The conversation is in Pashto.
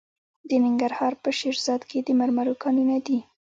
د ننګرهار په شیرزاد کې د مرمرو کانونه دي.